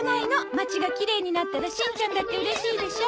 町がきれいになったらしんちゃんだってうれしいでしょ？